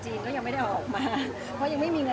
จริงก็ยังไม่ได้ออกมา